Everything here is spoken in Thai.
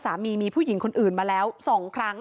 สามีมีผู้หญิงคนอื่นมาแล้ว๒ครั้ง